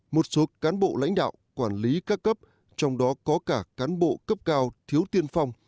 một số cán bộ lãnh đạo quản lý các cấp trong đó có cả cán bộ cấp cao thiếu tiên phong